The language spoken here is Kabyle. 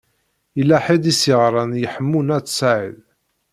Yella ḥedd i s-yeɣṛan i Ḥemmu n At Sɛid.